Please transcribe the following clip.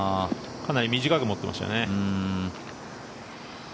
かなり短く持ってましたよね。